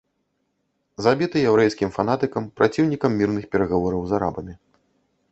Забіты яўрэйскім фанатыкам, праціўнікам мірных перагавораў з арабамі.